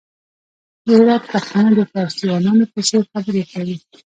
د هرات پښتانه د فارسيوانانو په څېر خبري کوي!